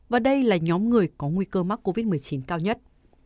và đây là nhóm người có nguy cơ mắc covid một mươi chín cao nhất